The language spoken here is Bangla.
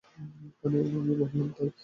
কারন আমি বললাম তাই।